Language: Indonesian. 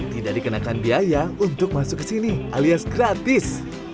tidak dikenakan biaya untuk masuk ke sini alias gratis